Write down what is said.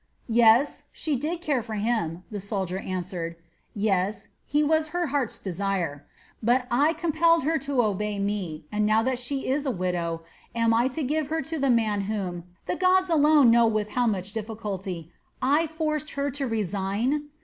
"Yes, she did care for him," the soldier answered; "yes, he was her heart's desire. But I compelled her to obey me, and now that she is a widow, am I to give her to the man whom the gods alone know with how much difficulty I forced her to resign?